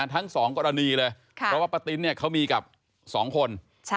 ทั้ง๒กรณีเลยเพราะว่าป้าติ๊นเนี่ยเขามีกับ๒คน